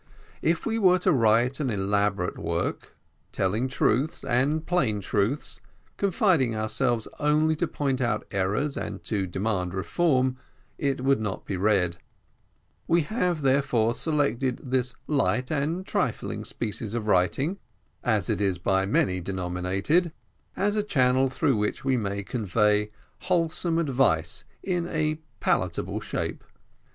If we were to write an elaborate work, telling truths, and plain truths, confining ourselves only to point out errors and to demand reform, it would not be read; we have therefore selected this light and trifling species of writing, as it is by many denominated, as a channel through which we may convey wholesome advice a palatable shape.